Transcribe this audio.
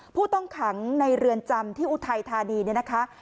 ผู้ต้องขังในเรือนจำที่อุทัยธานีเนี่ยนะคะ